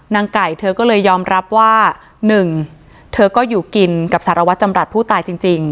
นางไก่เธอก็เลยยอมรับว่าหนึ่งเธอก็อยู่กินกับสารวัตรจำรัฐผู้ตายจริง